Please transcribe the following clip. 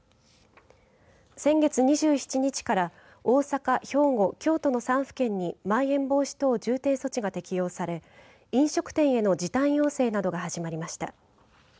先月２７日から大阪、兵庫、京都の３府県にまん延防止等重点措置が適用され飲食店への時短要請などが始まりました。